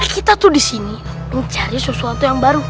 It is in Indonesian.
kita tuh disini mencari sesuatu yang baru